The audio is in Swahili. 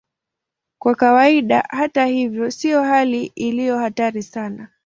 Kwa kawaida, hata hivyo, sio hali iliyo hatari sana.